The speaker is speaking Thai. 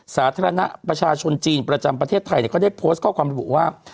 สาธารณะประชาชนจีนประจำประเทศไทยก็ได้โพสต์ข้อความระบุว่า